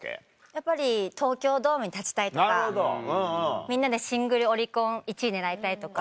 やっぱり東京ドームに立ちたいとかみんなでシングルオリコン１位になりたいとか。